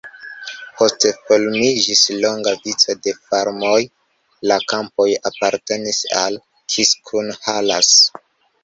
Poste formiĝis longa vico de farmoj, la kampoj apartenis al Kiskunhalas.